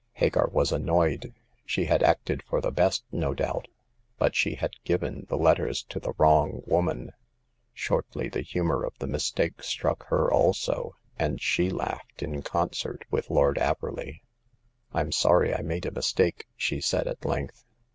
Hagar was annoyed. She had acted for the best, no doubt ; but she had given the letters to the wrong woman. Shortly the humor of the mistake struck her also, and she laughed in con cert with Lord Averley. '* Fm sorry I made a mistake," she said, at length.